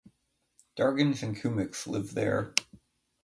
Dargins and Kumyks live there.